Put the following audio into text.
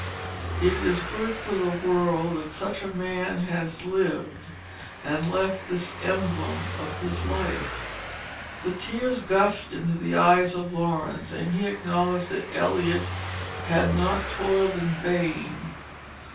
It is good for the world that such a man has lived, and left this emblem of his life." The tears gushed into the eyes of Laurence, and he acknowledged that Eliot had not toiled in vain.